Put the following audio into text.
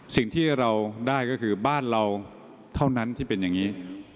สิ่งที่เราได้ก็คือบ้านเราเท่านั้นที่เป็นอย่างนี้